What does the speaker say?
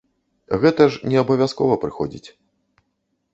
Гэта ж не абавязкова прыходзіць.